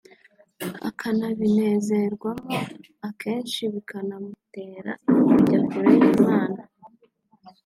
akabinezerwamo akenshi bikana mutera kujya kure y’Imana